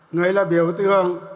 người là biểu tượng